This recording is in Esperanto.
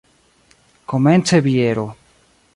Komence biero.